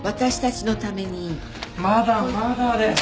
まだまだです！